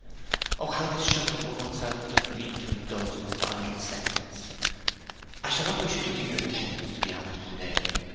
Oh, how this shutting up of one's self does lead to indulgence in idle sentiments. I shall not wish you to give your attendance to me after to day.